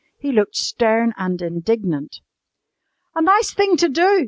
HE LOOKED STERN AND INDIGNANT.] "A nice thing to do!"